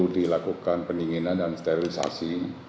dilakukan pendinginan dan sterilisasi